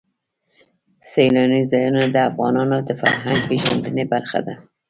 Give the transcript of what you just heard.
سیلانی ځایونه د افغانانو د فرهنګي پیژندنې برخه ده.